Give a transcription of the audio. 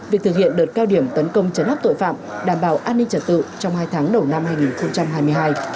việc thực hiện đợt cao điểm tấn công chấn áp tội phạm đảm bảo an ninh trật tự trong hai tháng đầu năm hai nghìn hai mươi hai